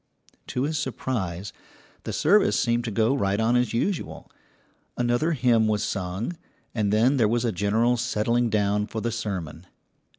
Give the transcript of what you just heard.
To his surprise, the service seemed to go right on as usual. Another hymn was sung, and then there was a general settling down for the sermon.